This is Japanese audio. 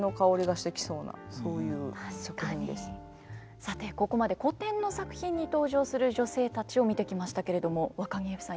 さてここまで古典の作品に登場する女性たちを見てきましたけれどもわかぎゑふさん